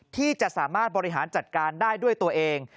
ที่จะสามารถบริหารจัดการได้ด้วยตัวเอง